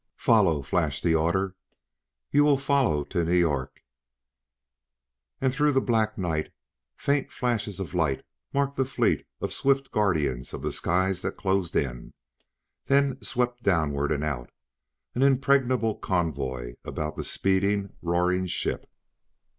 "Follow!" flashed the order. "You will follow to New York!" And, through the black night, faint flashes of light marked the fleet of swift guardians of the skies that closed in, then swept downward and out an impregnable convoy about the speeding, roaring ship.